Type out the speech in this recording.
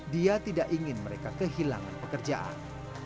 dia tidak ingin mereka kehilangan pekerjaan